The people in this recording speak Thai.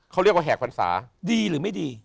เขาเรียกว่าแหกพรรษาดีหรือไม่ดี